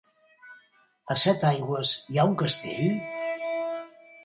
A Setaigües hi ha un castell?